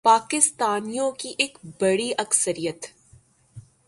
پاکستانیوں کی ایک بڑی اکثریت